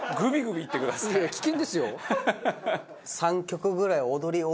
いやいや危険ですよ。